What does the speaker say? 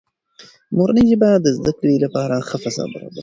مورنۍ ژبه د زده کړې لپاره ښه فضا برابروي.